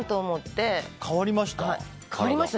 変わりました？